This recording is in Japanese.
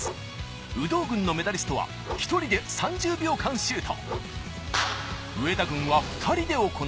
有働軍のメダリストは、１人で３０秒間シュート。